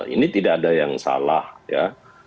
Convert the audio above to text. ini tidak ada yang salah ya